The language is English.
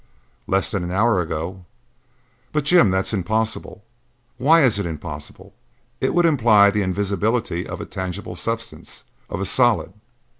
"Less than an hour ago." "But, Jim, that's impossible!" "Why is it impossible?" "It would imply the invisibility of a tangible substance; of a solid."